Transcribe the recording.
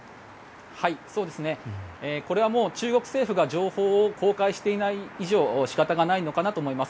これはもう中国政府が情報を公開していない以上仕方がないのかなと思います。